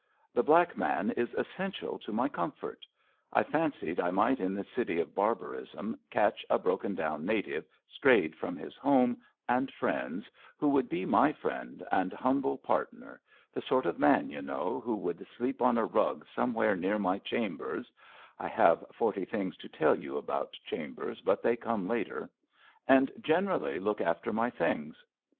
The black man is essential to my comfort. I fancied I might in this city of barbarism catch a brokendown native strayed from his home and friends, who would be my friend and humble pard ner — ^the sort of man, y' know, who would sleep on a rug somewhere near my chambers (I have forty things to tell you about chambers, but they come later), and generally look after my things.